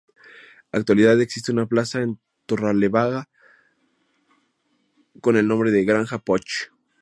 Actualidad, existe una plaza en Torrelavega con el nombre de Granja Poch.